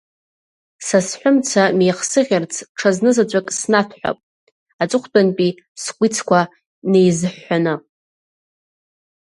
Са сҳәымца меихсыӷьырц, ҽазнызаҵәык снаҭәҳәап, аҵыхәтәантәи скәицқәа неизыҳәҳәаны…